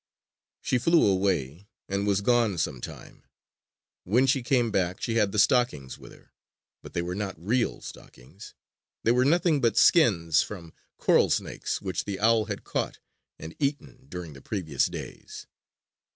She flew away and was gone some time. When she came back she had the stockings with her. But they were not real stockings. They were nothing but skins from coral snakes which the owl had caught and eaten during the previous days.